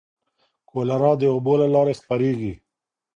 کولرا د اوبو له لارې خپرېږي.